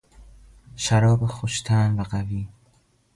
شراب خوشطعم و قوی